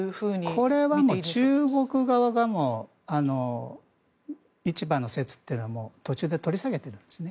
これは中国側が市場の説というのは途中で取り下げてますね。